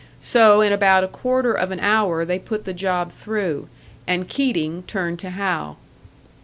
So, in about a quarter of an hour, they put the job through; and Keating turned to Hal.